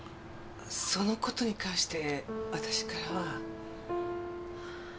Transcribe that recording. その事に関して私からは。